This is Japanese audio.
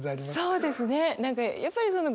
そうですね